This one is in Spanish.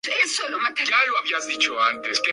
Es internacional con la selección de fútbol de Ucrania.